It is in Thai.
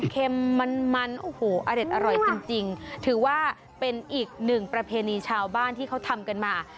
เค็มมันมันโอ้โหอเด็ดอร่อยจริงถือว่าเป็นอีกหนึ่งประเพณีชาวบ้านที่เขาทำกันมา